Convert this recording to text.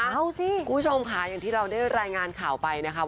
เอาสิคุณผู้ชมค่ะอย่างที่เราได้รายงานข่าวไปนะคะ